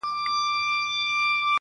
د نظرونو په بدل کي مي فکرونه راوړل,